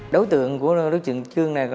đối tượng của đối tượng trương này